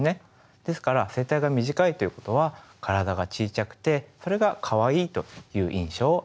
ですから声帯が短いっていうことは体が小ちゃくてそれがかわいいという印象を与えます。